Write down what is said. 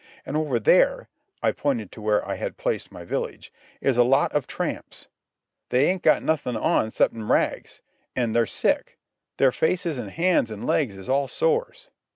An' over there"—I pointed to where I had placed my village—"is a lot of tramps. They ain't got nothin' on exceptin' rags. An' they're sick. Their faces, an' hands, an' legs is all sores."